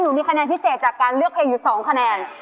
มีคะแนนพิเศษจากการเลือกเพลงอยู่๒คะแนน